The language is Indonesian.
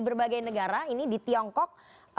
berbagai negara ini di tiongkok